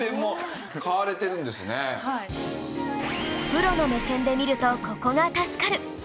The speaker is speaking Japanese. プロの目線で見るとここが助かる！